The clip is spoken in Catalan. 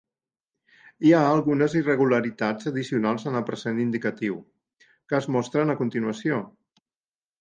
Hi ha algunes irregularitats addicionals en el present indicatiu, que es mostren a continuació.